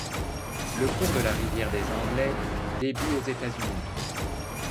Le cours de la rivière des Anglais début aux États-Unis.